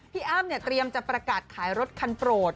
อ้ำเนี่ยเตรียมจะประกาศขายรถคันโปรด